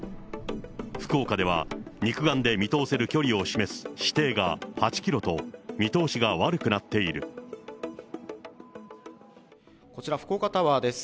福岡では肉眼で見通せる距離を示す視程が８キロと、見通しが悪くこちら、福岡タワーです。